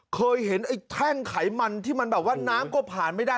เคยเห็นไอ้แท่งไขมันที่มันแบบว่าน้ำก็ผ่านไม่ได้